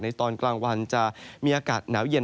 ในแต่ละพื้นที่เดี๋ยวเราไปดูกันนะครับ